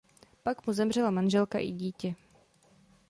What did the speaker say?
Pak mu zemřela manželka i dítě.